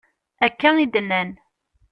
Akka i d-nnan.